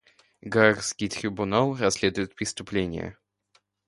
Гаагский трибунал расследует преступления.